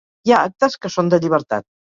Hi ha actes que són de llibertat.